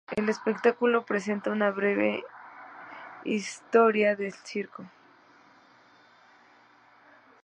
El espectáculo presenta una breve historia del Circo.